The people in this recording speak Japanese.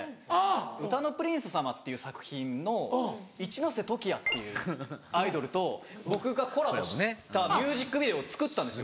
『うたの☆プリンスさまっ』っていう作品の一ノ瀬トキヤっていうアイドルと僕がコラボしたミュージックビデオを作ったんですよ。